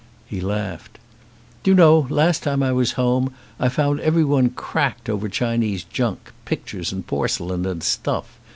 He laughed. "Do you know, last time I was home I found everyone cracked over Chinese junk, pictures and porcelain, and stuff.